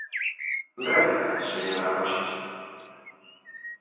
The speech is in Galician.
Réplica, señora Roxas.